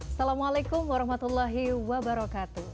assalamualaikum warahmatullahi wabarakatuh